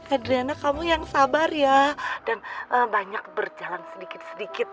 adriana kamu yang sabar ya dan banyak berjalan sedikit sedikit